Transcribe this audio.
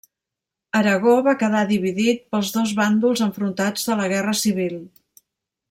Aragó va quedar dividit pels dos bàndols enfrontats de la Guerra Civil.